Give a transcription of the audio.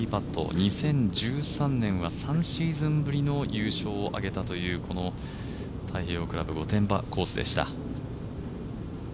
２０１３年は３シーズンぶりの優勝を上げたという太平洋クラブ御殿場コースでした。